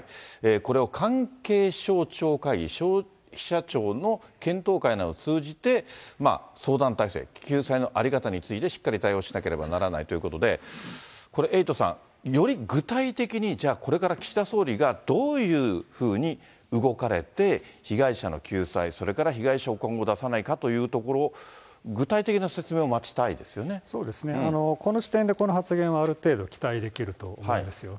これを関係省庁会議、消費者庁の検討会などを通じて、相談体制、救済の在り方についてしっかり対応しなければならないということで、これ、エイトさん、より具体的に、じゃあ、これから岸田総理がどういうふうに動かれて、被害者の救済、それから被害者を今後出さないかというところ、そうですね、この時点でこの発言はある程度期待できると思うんですよ。